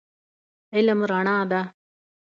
علم رڼا ده.